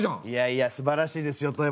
いやいやすばらしいですよ